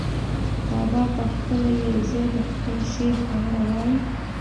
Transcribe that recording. بابا پخپله یو ځای د خپل شعر په اړه وايي.